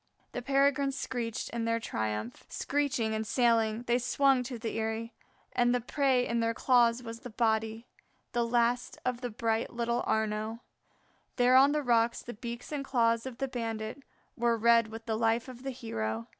The Peregrines screeched in their triumph. Screeching and sailing, they swung to their eyrie, and the prey in their claws was the body, the last of the bright little Arnaux. There on the rocks the beaks and claws of the bandits were red with the life of the hero.